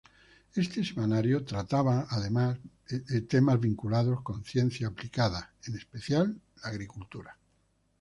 Este semanario trataba temas vinculados con ciencia aplicada, en especial de agricultura.